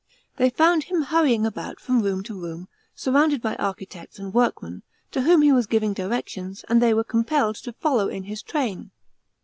They found him hurrying; about from room to room, surrounded by architects and workmen, to whom he was iiivinj directions, and th y were compelled to follow in his train.